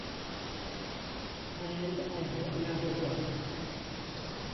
And I've another job.